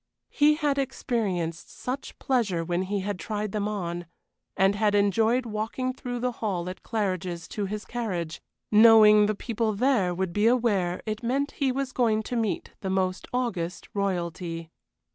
He had experienced such pleasure when he had tried them on, and had enjoyed walking through the hall at Claridge's to his carriage, knowing the people there would be aware it meant he was going to meet the most august Royalty.